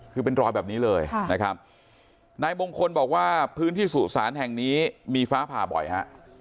คือเป็นรอยแบบนี้เลยนะครับนายมงคลบอกว่าพื้นที่สุสานแห่งนี้มีฟ้าผ่าบ่อยฮะ